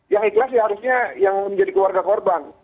yang ikhlas ya harusnya yang menjadi keluarga korban